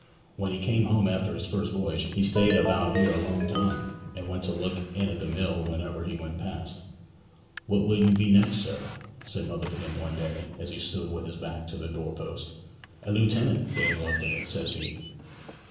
When he came home after his first voyage he stayed about here a long time, and used to look in at the mill whenever he went past. "What will you be next, sir?" said mother to him one day as he stood with his back to the doorpost. "A lieutenant, Dame Loveday," says he.